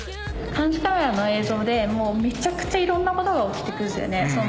監視カメラの映像でもうめちゃくちゃいろんなことが起きてくるんですよね。